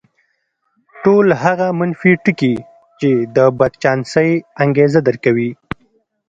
ټول هغه منفي ټکي چې د بدچانسۍ انګېزه درکوي.